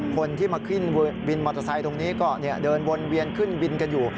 คนที่มาขึ้นวินมอเตอร์ไซค์ตรงนี้ก็เดินวนเวียนขึ้นบินกันอยู่